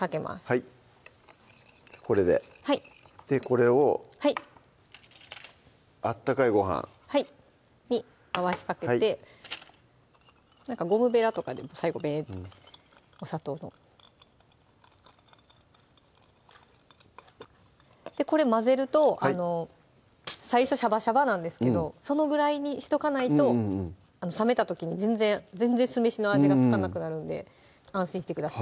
はいこれででこれを温かいご飯はいに回しかけてなんかゴムべらとかで最後ベーッてお砂糖をこれ混ぜると最初シャバシャバなんですけどそのぐらいにしとかないと冷めた時に全然全然酢飯の味が付かなくなるんで安心してください